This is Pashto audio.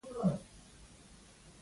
دا هر څه په خلاصو سترګو وینې او مني.